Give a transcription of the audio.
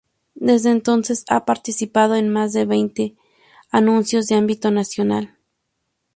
Desde entonces ha participado en más de veinte anuncios de ámbito nacional.